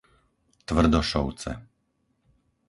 Tvrdošovce